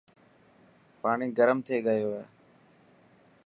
پاڻي گرم ٿي گيو هي.